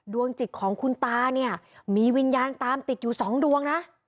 ดวงจิตของคุณตาเนี่ยมีวิญญาณตามติดอยู่สองดวงนะ